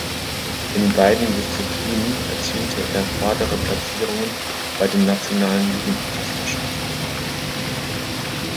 In beiden Disziplinen erzielte er vordere Platzierungen bei den nationalen Jugendmeisterschaften.